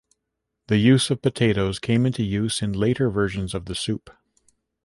The use of potatoes came into use in later versions of the soup.